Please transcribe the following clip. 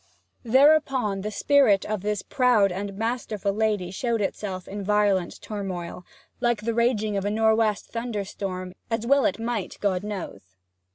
Thereupon the spirit of this proud and masterful lady showed itself in violent turmoil, like the raging of a nor' west thunderstorm as well it might, God knows.